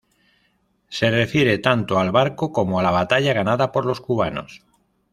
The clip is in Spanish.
Se refiere tanto al barco como a la batalla ganada por los cubanos.